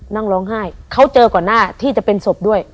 นั่งร้องไห้เขาเจอก่อนหน้าที่จะเป็นศพด้วย